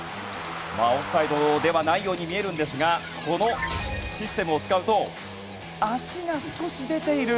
オフサイドではないように見えるんですがこのシステムを使うと足が少し出ている。